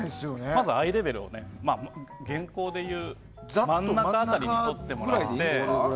まずアイレベルを真ん中辺りにとってもらって。